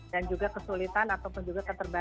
dan juga kesulitan ataupun juga keterlaluan